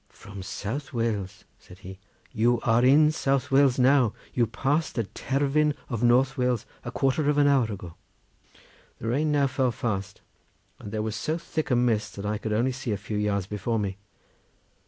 "From South Wales!" said he; "you are in South Wales now; you passed the Terfyn of North Wales a quarter of an hour ago." The rain now fell fast, and there was so thick a mist that I could only see a few yards before me.